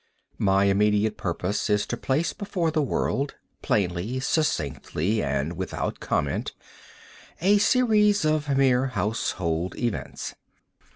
My immediate purpose is to place before the world, plainly, succinctly, and without comment, a series of mere household events.